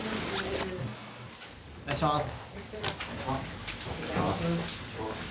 お願いします。